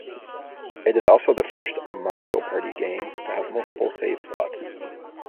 It is also the first "Mario Party" game to have multiple save slots.